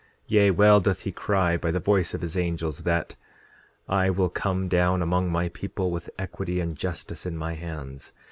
10:21 Yea, well doth he cry, by the voice of his angels that: I will come down among my people, with equity and justice in my hands.